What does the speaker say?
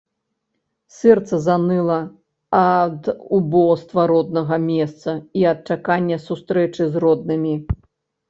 Сэрца заныла ад убоства роднага месца і ад чакання сустрэчы з роднымі.